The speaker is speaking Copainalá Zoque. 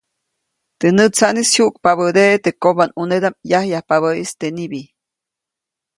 Teʼ nätsaʼnis jyuʼkpabädeʼe teʼ kobänʼunedaʼm yajyajpabäʼis teʼ nibi.